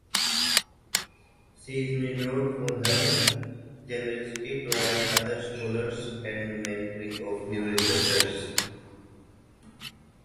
She is renowned for her generosity towards other scholars and mentoring of new researchers.